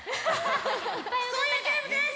そういうゲームです！